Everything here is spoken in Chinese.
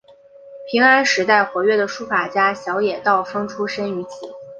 平安时代活跃的书法家小野道风出身于此。